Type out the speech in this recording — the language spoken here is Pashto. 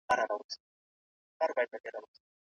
هغه خپل چلند ته دوام ورکوي.